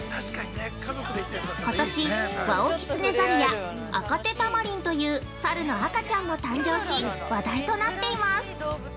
今年、ワオキツネザルやアカテタマリンというサルの赤ちゃんも誕生し、話題となっています。